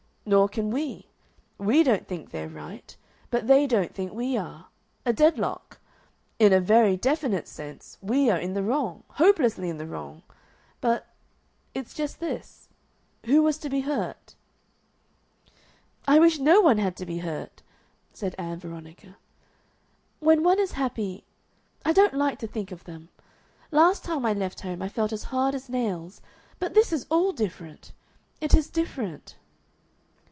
Nor can we. WE don't think they're right, but they don't think we are. A deadlock. In a very definite sense we are in the wrong hopelessly in the wrong. But It's just this: who was to be hurt?" "I wish no one had to be hurt," said Ann Veronica. "When one is happy I don't like to think of them. Last time I left home I felt as hard as nails. But this is all different. It is different."